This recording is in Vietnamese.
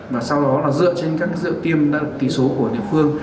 và sau đó là dựa trên các dữ liệu tiêm đã được ký số của địa phương